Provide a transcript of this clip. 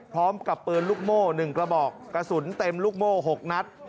พร้อมกับปืนลูกโม่๑กระบอกกระสุนเต็มลูกโม่๖นัด